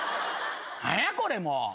何やこれもう！